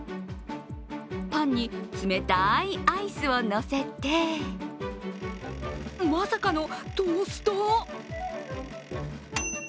パンに冷たいアイスをのせてまさかのトースト！？